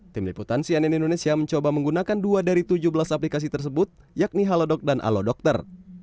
tim liputan cnn indonesia mencoba menggunakan dua dari tujuh belas aplikasi tersebut yakni halodoc dan alodokter